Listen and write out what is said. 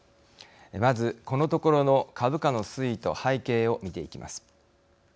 まず、このところの株価の推移と背景を見ていきます。